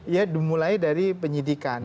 ya dimulai dari penyidikan